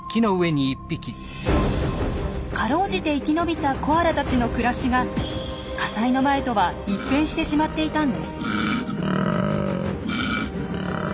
かろうじて生き延びたコアラたちの暮らしが火災の前とは一変してしまっていたんです。